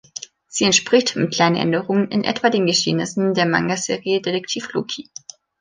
Sie entspricht, mit kleinen Änderungen, in etwa den Geschehnissen der Manga-Serie Detektiv Loki.